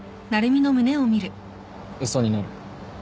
嘘になる。